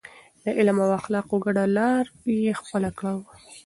د علم او اخلاقو ګډه لار يې خپله کړې وه.